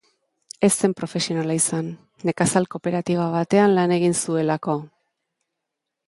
Ez zen profesionala izan, nekazal-kooperatiba batean lan egin zuelako.